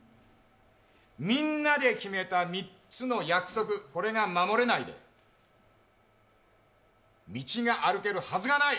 みんなで決めた３つの約束、これが守れないで、道が歩けるはずがない。